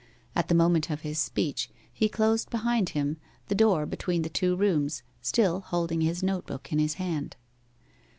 At the moment of his speech, he closed behind him the door between the two rooms, still holding his note book in his hand.